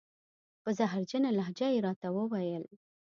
په زهرجنه لهجه یې را ته و ویل: